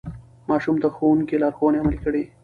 ماشوم د ښوونکي لارښوونې عملي کړې